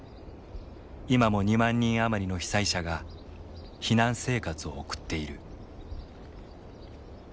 今も２万人余りの被災者が避難生活を送っている。